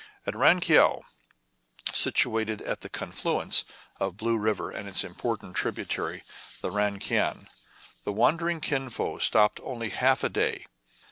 At Ran Keou, situated at the confluence of the Blue River and its important tributary, the Ran Kiang,^ the wandering Kin Fo stopped only half a day.